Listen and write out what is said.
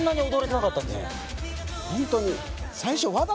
ホントに。